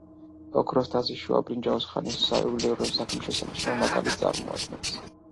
ოქროს თასი შუა ბრინჯაოს ხანის საიუველირო საქმის შესანიშნავ მაგალითს წარმოადგენს.